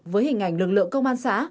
với hình ảnh lực lượng công an xã